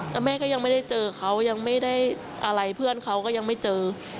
แล้วแม่ก็ยังไม่ได้เจอเขายังไม่ได้อะไรเพื่อนเขาก็ยังไม่เจอ